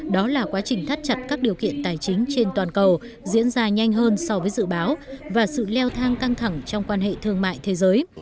đó là quá trình thắt chặt các điều kiện tài chính trên toàn cầu diễn ra nhanh hơn so với dự báo và sự leo thang căng thẳng trong quan hệ thương mại thế giới